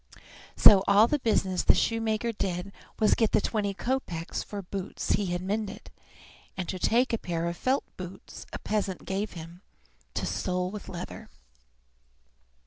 So all the business the shoemaker did was to get the twenty kopeks for boots he had mended, and to take a pair of felt boots a peasant gave him to sole with leather.